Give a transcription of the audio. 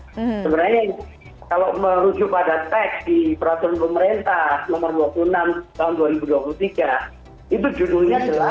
sebenarnya kalau merujuk pada teks di peraturan pemerintah nomor dua puluh enam tahun dua ribu dua puluh tiga itu judulnya jelas